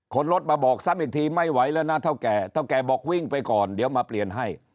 รถมาบอกซ้ำอีกทีไม่ไหวแล้วนะเท่าแก่เท่าแก่บอกวิ่งไปก่อนเดี๋ยวมาเปลี่ยนให้